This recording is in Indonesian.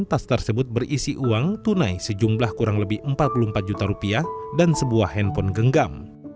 tas tersebut berisi uang tunai sejumlah kurang lebih empat puluh empat juta rupiah dan sebuah handphone genggam